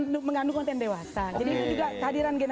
dagang ada juga yang